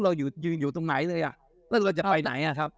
เราอยู่ยืนอยู่ตรงไหนเลยอ่ะแล้วเราจะไปไหนอ่ะครับ